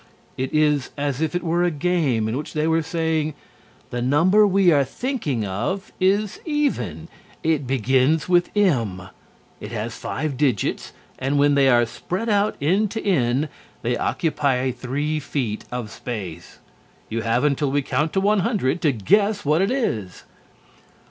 It is as if it were a game, in which they were saying, "The number we are thinking of is even; it begins with M; it has five digits and when they are spread out, end to end, they occupy three feet of space. You have until we count to one hundred to guess what it is."